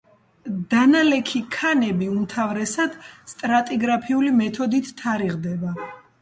დანალექი ქანები უმთავრესად სტრატიგრაფიული მეთოდით თარიღდება.